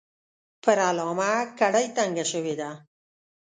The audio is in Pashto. پر علامه کړۍ تنګه شوې ده.